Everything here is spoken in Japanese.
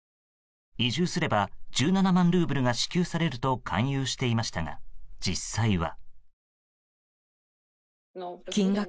移住すれば１７万ルーブルが支給されると勧誘していましたが実際は。